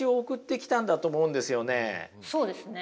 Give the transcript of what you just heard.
そうですね。